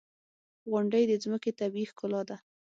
• غونډۍ د ځمکې طبیعي ښکلا ده.